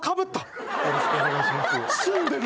よろしくお願いします。